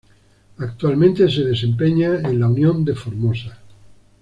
Actualmente se desempeña en La Unión de Formosa.